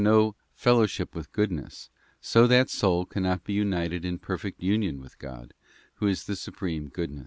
nook fellowship with goodness, so that soul cannot be united in perfect union with God, who is the supreme Goodness.